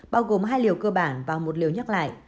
bao gồm hai liều cơ bản và một liều nhắc lại